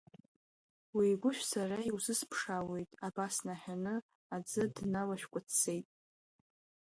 Уеигәышә сара иузысԥшаауеит, абас наҳәаны, аӡы дналашәкәа дцеит.